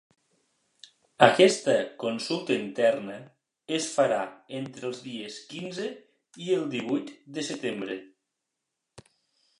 Aquesta consulta interna es farà entre els dies quinze i el divuit de setembre.